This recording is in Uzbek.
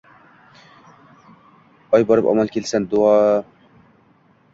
Oy borib, omon kelsin!.. — deb duo qilib ajrashganlardan ikkitasining orasidagi bu suhbatni ko'ring.